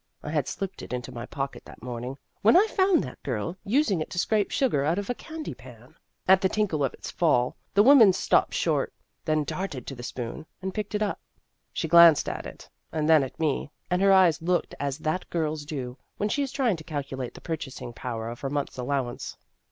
(I had slipped it into my pocket that morning, when I found that girl using it to scrape sugar out of a candy pan.) At the tinkle of its fall, the woman stopped short then darted to the spoon, and picked it up. She glanced at it, and then at me, and her eyes looked as that girl's do when she is trying to calculate the purchasing power of her month's allow ance.